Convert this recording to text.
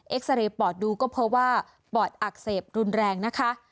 ซาเรย์ปอดดูก็เพราะว่าปอดอักเสบรุนแรงนะคะ